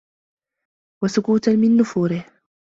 وَسُكُوتًا مِنْ نُفُورِهِ